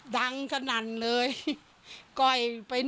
ดังสนั่นเลย